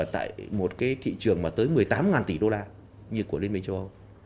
tại một cái thị trường mà tới một mươi tám tỷ đô la như của liên minh châu âu